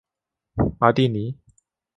巴蒂尼。